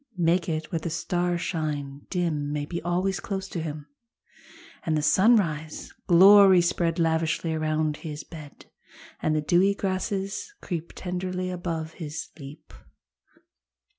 Make it where the starshine dim May be always close to him, And the sunrise glory spread Lavishly around his bed. And the dewy grasses creep Tenderly above his sleep.